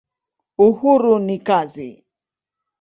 Uhuru ni kazi.